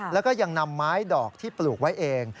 แล้วก็ยังนำไม้ดอกที่ปลูกไว้เอง